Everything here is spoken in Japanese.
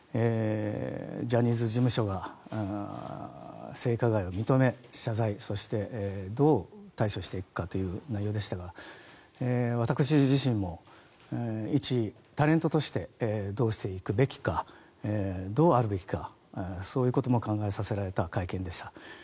ジャニーズ事務所が性加害を認め謝罪そしてどう対処していくかという内容でしたが私自身もいちタレントとしてどうしていくべきかどうあるべきかそういうことも考えさせられた会見でした。